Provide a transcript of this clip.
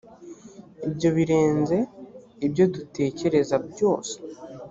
ibyo birenze ibyo dutekereza byose